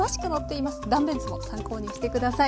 断面図も参考にして下さい。